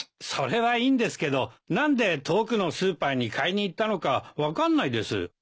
それはいいんですけど何で遠くのスーパーに買いに行ったのか分かんないです。